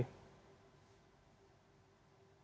tidak tertutup kemudian